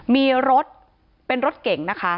มีรถเป็นรถเก่งนะคะ